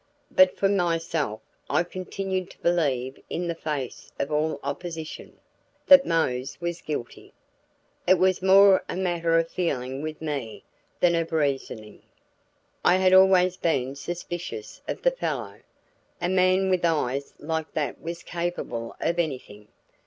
But for myself, I continued to believe in the face of all opposition, that Mose was guilty. It was more a matter of feeling with me than of reasoning. I had always been suspicious of the fellow; a man with eyes like that was capable of anything.